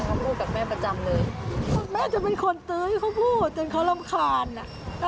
เขาพูดกับแม่ประจำเลยแม่จะเป็นคนตื้อให้เขาพูดจนเขารำคาญอ่ะ